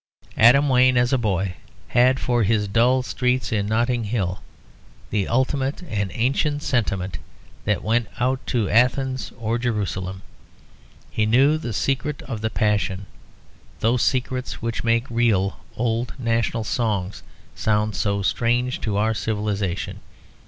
Adam Wayne, as a boy, had for his dull streets in Notting Hill the ultimate and ancient sentiment that went out to Athens or Jerusalem. He knew the secret of the passion, those secrets which make real old national songs sound so strange to our civilisation.